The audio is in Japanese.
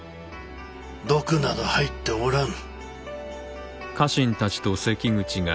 毒など入っておらぬ。